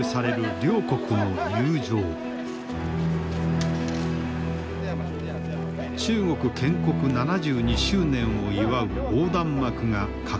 中国建国７２周年を祝う横断幕が掲げられた。